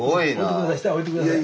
下へ置いて下さい。